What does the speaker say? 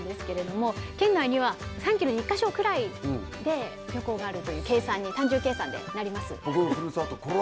県内には３ｋｍに１か所くらいで漁港があるという計算に単純計算でなります。